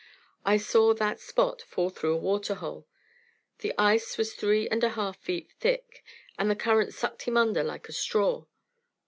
I saw that Spot fall through a water hole. The ice was three and a half feet thick, and the current sucked him under like a straw.